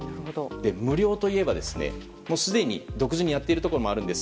無料といえばすでに独自にやっているところもあります。